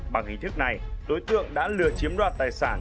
bằng hình thức này đối tượng đã lừa chiếm đoạt tài sản